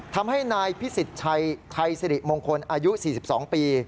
ทำให้นายพิสิทธิ์ชัยสิริมงคลอายุ๔๒ปี